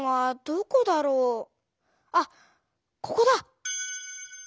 あここだ！